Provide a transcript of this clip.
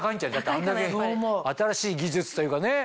あんだけ新しい技術というかね。